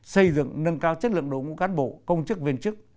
xây dựng nâng cao chất lượng đội ngũ cán bộ công chức viên chức